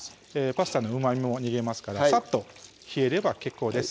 パスタのうまみも逃げますからさっと冷えれば結構です